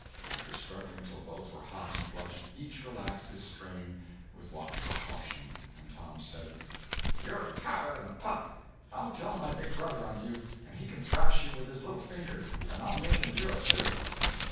After struggling till both were hot and flushed, each relaxed his strain with watchful caution, and Tom said: "You're a coward and a pup. I'll tell my big brother on you, and he can thrash you with his little finger, and I'll make him do it, too."